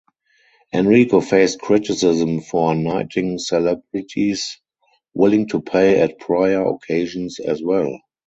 Enrico faced criticism for knighting celebrities willing to pay at prior occasions as well.